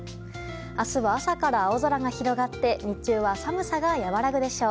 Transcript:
明日は朝から青空が広がって日中は寒さが和らぐでしょう。